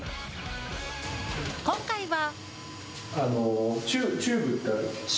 今回は。